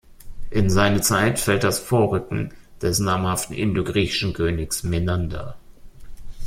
In seine Zeit fällt das Vorrücken des namhaften indo-griechischen Königs Menander.